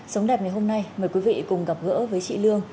sống đẹp ngày hôm nay mời quý vị cùng gặp gỡ với chị lương